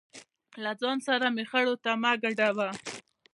له ځان سره مې خړو ته مه ګډوه.